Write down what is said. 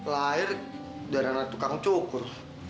lahir dari anak tukang cukur